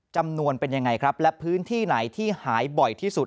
จำนวนเป็นยังไงครับและพื้นที่ไหนที่หายบ่อยที่สุด